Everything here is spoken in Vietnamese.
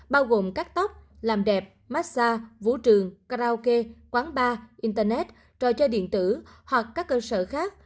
bao gồm các tóc làm đẹp massage vũ trường karaoke quán bar internet trò chơi điện tử hoặc các cơ sở khác